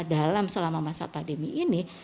dalam selama masa pandemi ini